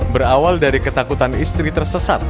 berawal dari ketakutan istri tersesat